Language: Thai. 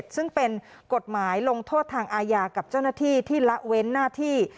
ซึ่งเป็นกฎหมายลงโทษทางอาญากับเจ้าหน้าที่ที่ละเว้นหน้าที่